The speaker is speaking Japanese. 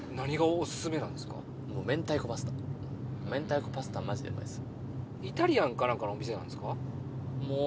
明太子パスタマジでうまいっす。